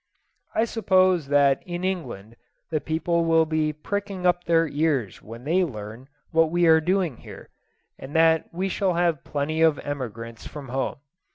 I suppose that in England the people will be pricking up their ears when they learn what we are doing here, and that we shall have plenty of emigrants from home.